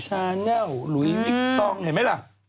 ชาแนลหลุยวิกตองเห็นไหมล่ะ